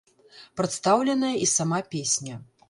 Прадстаўленая і сама песня.